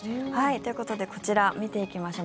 ということでこちら、見ていきましょう。